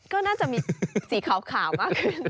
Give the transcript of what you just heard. ก็น่าจะมีสีขาวมากขึ้น